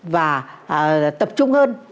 và tập trung hơn